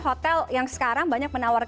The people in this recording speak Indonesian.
hotel yang sekarang banyak menawar